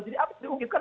jadi apa diungkitkan